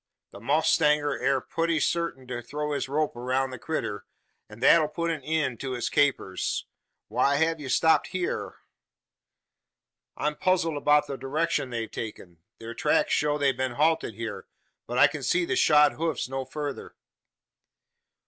The mowstanger air putty sartin to throw his rope aroun' the critter, an that 'll put an eend to its capers. Why hev ye stopped hyur?" "I'm puzzled about the direction they've taken. Their tracks show they've been halted here; but I can see the shod hoofs no farther."